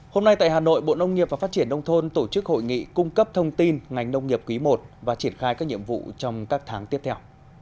hôm nay tại hà nội bộ nông nghiệp và phát triển nông thôn tổ chức hội nghị cung cấp thông tin ngành nông nghiệp quý i và triển khai các nhiệm vụ trong các tháng tiếp theo